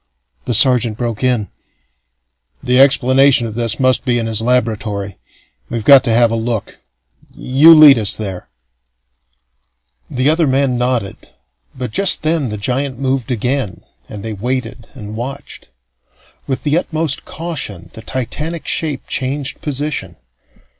The sergeant broke in: "The explanation of this must be in his laboratory. We've got to have a look. You lead us there." The other man nodded; but just then the giant moved again, and they waited and watched. With the utmost caution the titanic shape changed position.